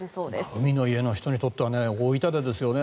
海の家の人にとっては大痛手ですよね。